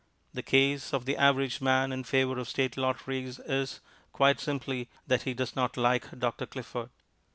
The case of the average man in favour of State lotteries is, quite simply, that he does not like Dr. Clifford.